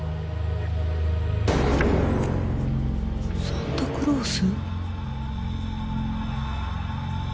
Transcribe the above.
サンタクロース？